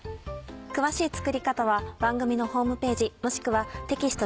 詳しい作り方は番組のホームページもしくはテキスト